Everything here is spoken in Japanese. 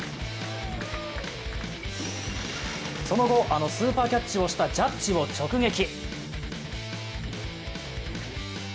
その後、あのスーパーキャッチをしたジャッジを直撃。